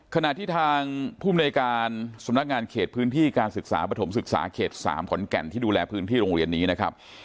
ขณะที่ทางภูมิในการสำนักงานเขตพื้นที่การศึกษาปฐมศึกษาเขต๓ขอนแก่นที่ดูแลพื้นที่โรงเรียนนี้นะครับ